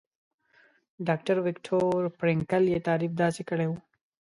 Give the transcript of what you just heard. ډاکټر ويکټور فرېنکل يې تعريف داسې کړی وو.